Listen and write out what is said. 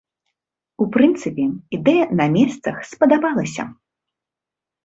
У прынцыпе, ідэя на месцах спадабалася.